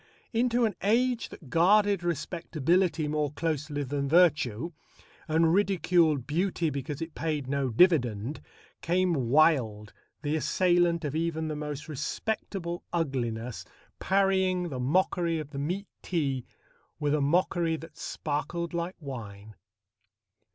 Into an age that guarded respectability more closely than virtue and ridiculed beauty because it paid no dividend came Wilde, the assailant of even the most respectable ugliness, parrying the mockery of the meat tea with a mockery that sparkled like wine.